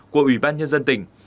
của ủy ban nhân dân tỉnh